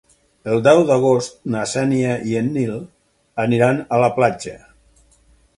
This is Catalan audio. El deu d'agost na Xènia i en Nil aniran a la platja.